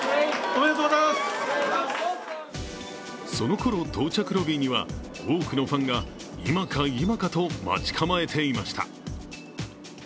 そのころ、到着ロビーには多くのファンが今か今かと待ち構えていました。